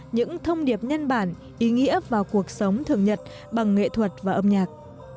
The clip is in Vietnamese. những thông điệp nhân bản ý nghĩa vào cuộc sống thường nhật bằng nghệ thuật và âm nhạc